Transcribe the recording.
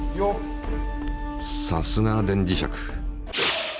さすが電磁石。